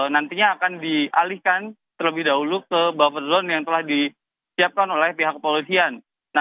nantinya akan dialihkan terlebih dahulu ke buffer zone yang telah disiapkan oleh pihak kepolisian